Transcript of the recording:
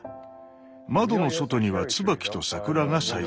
窓の外には椿と桜が咲いています。